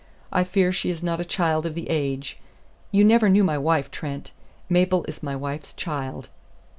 I fear she is not a child of the age. You never knew my wife, Trent. Mabel is my wife's child."